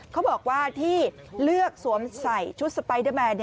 เขาบอกว่าที่เลือกสวมใส่ชุดสไปเดอร์แมน